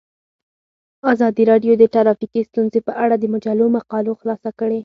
ازادي راډیو د ټرافیکي ستونزې په اړه د مجلو مقالو خلاصه کړې.